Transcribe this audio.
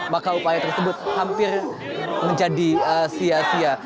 maka upaya tersebut hampir menjadi sia sia